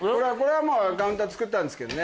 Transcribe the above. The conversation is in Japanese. カウンター作ったんですけどね。